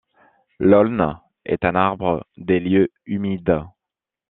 L'aulne est un arbre des lieux humides.